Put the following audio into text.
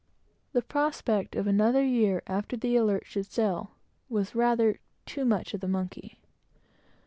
The prospect of another year after the Alert should sail, was rather "too much of the monkey."